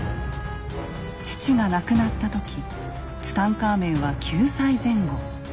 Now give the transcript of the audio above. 父が亡くなった時ツタンカーメンは９歳前後。